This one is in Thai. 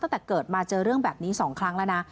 ตั้งแต่เกิดมาเจอเรื่องแบบนี้๒ครั้งแล้วนะ